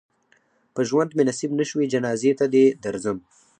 په ژوند مې نصیب نه شوې جنازې ته دې درځم.